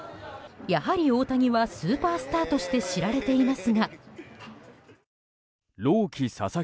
やはり大谷はスーパースターとして知られていますが。